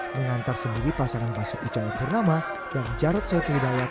mengantar sendiri pasangan pasuk ke jaya pernama dan jarod soekarno nagyar